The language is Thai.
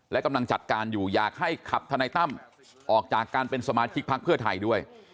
และกำลังจัดการอยู่อยากให้ขับทนายตั้มออกจากการเป็นสมาชิกพักเพื่อไทยด้วย